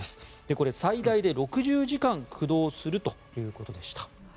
これ、最大で６０時間駆動するということでした。